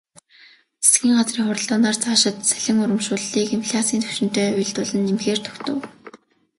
Засгийн газрын хуралдаанаар цаашид цалин урамшууллыг инфляцын түвшинтэй уялдуулан нэмэхээр тогтов.